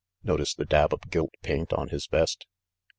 Notice the dab of gilt paint on his vest?"